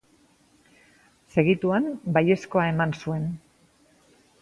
Segituan baiezkoa eman zuen.